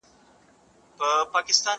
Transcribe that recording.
هلک مړ سو د دهقان په کور کي غم سو